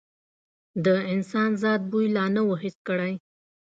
د انسان ذات بوی لا نه و حس کړی.